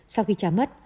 sau khi chá mất